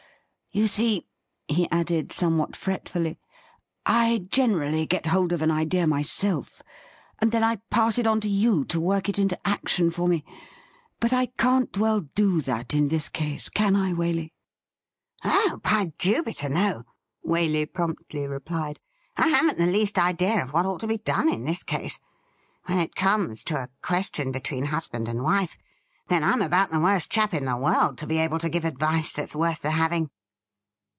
You see,' he added some what fretfully, ' I generally get hold of an idea myself, and then I pass it on to you to work it into action for me. But I can't well do that in this case, can I, Waley ?' <THY KINDNESS FREEZES' S35 * Oh, by Jupiter, no !' Waley promptly replied. ' I haven't the least idea of what ought to be done in this case. When it comes to a question between husband and wife, then Fm about the worst chap in the world to be able to give advice that's worth the having.'